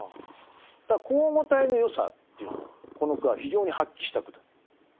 口語体のよさっていうのをこの句は非常に発揮した句だ。